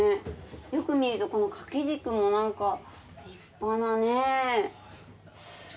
よく見るとこの掛け軸もなんか立派なねすごいなぁ。